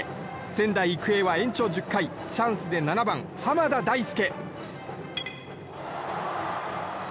仙台育英は延長１０回チャンスで７番、濱田大輔。